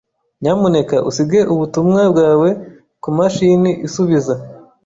Nyamuneka usige ubutumwa bwawe kumashini isubiza.